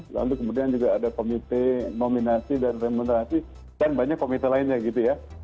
lalu kemudian juga ada komite nominasi dan remunerasi dan banyak komite lainnya gitu ya